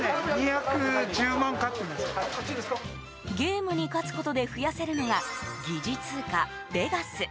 ゲームに勝つことで増やせるのが疑似通貨ベガス。